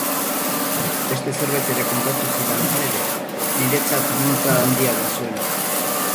Beste zerbait ere kontatu zidan halere, niretzat munta handiagoa zuena.